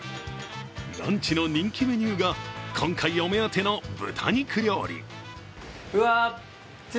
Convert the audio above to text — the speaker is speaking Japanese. ランチの人気メニューが今回お目当ての豚肉料理。